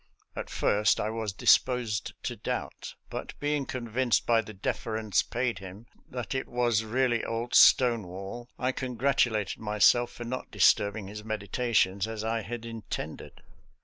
At first I was disposed to doubt, but being convinced by the deference paid him that it was really old Stonewall, I congratulated myself for not disturbing his meditations as I had intended.